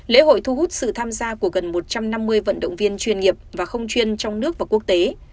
lễ hội thu hút sự tham gia của gần một trăm năm mươi vận động viên chuyên nghiệp và không chuyên trong nước và quốc tế